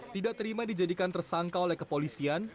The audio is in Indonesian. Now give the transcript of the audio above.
tidak terima dijadikan tersangka oleh kepolisian